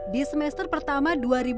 di semester pertama dua ribu sembilan belas